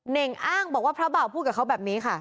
เน่งอ้างบอกว่าพระบ่าวพูดกับเขาแบบนี้ค่ะ